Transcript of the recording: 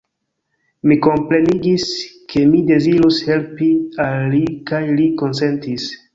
Mi komprenigis, ke mi dezirus helpi al li kaj li konsentis.